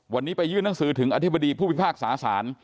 วันนี้ไปยื่นหนังสือถึงอธิบดีผู้พิพากษาศาล